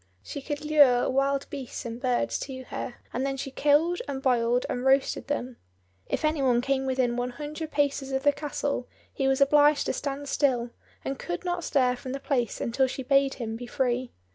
She could lure wild beasts and birds to her, and then she killed and boiled and roasted them. If any one came within one hundred paces of the castle he was obliged to stand still, and could not stir from the place until she bade him be free.